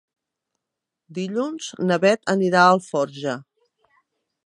Dilluns na Bet anirà a Alforja.